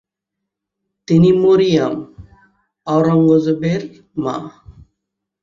তিনি মরিয়ম আওরঙ্গজেবের মা।